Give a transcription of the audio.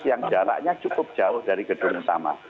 yang jaraknya cukup jauh dari gedung utama